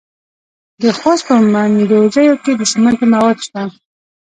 د خوست په مندوزیو کې د سمنټو مواد شته.